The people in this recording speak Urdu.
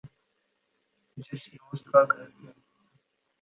جس دوست کا گھر ہے